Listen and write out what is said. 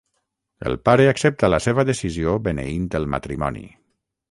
El pare accepta la seva decisió beneint el matrimoni.